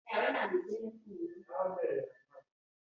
bihumbi bakora muri repubulika ya dominikani